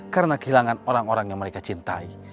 karena kehilangan orang orang yang mereka cintai